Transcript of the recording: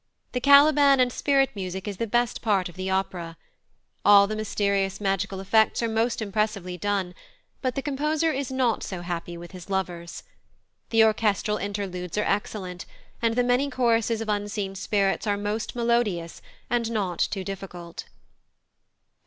The Caliban and Spirit music is the best part of the opera. All the mysterious magical effects are most impressively done, but the composer is not so happy with his lovers. The orchestral interludes are excellent, and the many choruses of unseen Spirits are most melodious, and not too difficult.